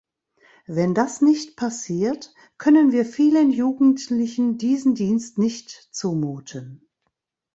Wenn das nicht passiert, können wir vielen Jugendlichen diesen Dienst nicht zumuten.